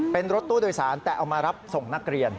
เป็นรถตู้โดยสารแต่เอามารับส่งนักเรียน